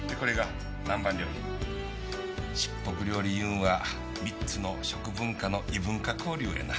卓袱料理いうのは３つの食文化の異文化交流やな！